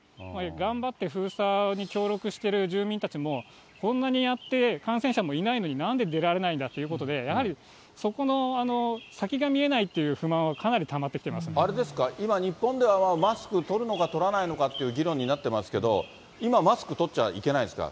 頑張って封鎖に協力してる住民たちも、こんなにやって感染者もいないのに、なんで出られないんだっていうことで、やはりそこの先が見えないっていう不満は、かなりたまあれですか、今、日本ではマスク取るのか、取らないのかっていう議論になってますけど、今、マスク取ったらいけないですか？